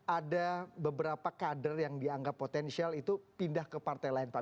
ada beberapa kader yang dianggap potensial itu pindah ke partai lain pak